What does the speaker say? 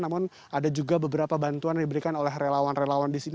namun ada juga beberapa bantuan yang diberikan oleh relawan relawan di sini